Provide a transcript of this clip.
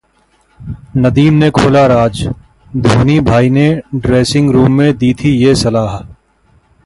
नदीम ने खोला राज- धोनी भाई ने ड्रेसिंग रूम में दी थी ये सलाह